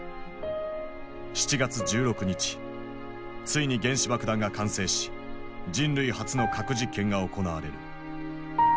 ついに原子爆弾が完成し人類初の核実験が行われる。